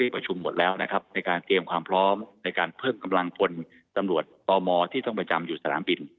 เพิ่มกำลังพลสำรวจต่อมอที่ต้องประจำอยู่สถานบิน